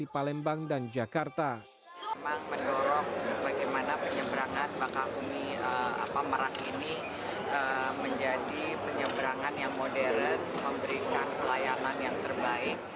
selenggarakan di palembang dan jakarta